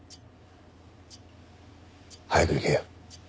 早く行け。